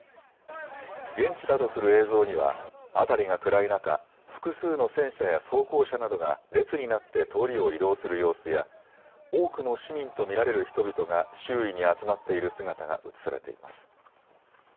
現地だとする映像には辺りが暗い中、複数の戦車や装甲車などが列になって通りを移動する様子や多くの市民と見られる人々が周囲に集まっている姿が映されています。